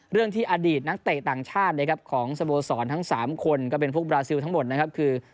เรื่องที่อดีตนักเตะต่างชาตินะครับของสโมสรทั้ง๓คนก็เป็นพวกบราซิลทั้งหมดนะครับคือ